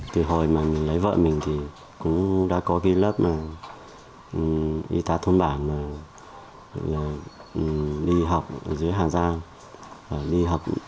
từ hồi mà mình lấy vợ mình thì cũng đã có cái lớp mà y tá thôn bản mà đi học dưới hàng giang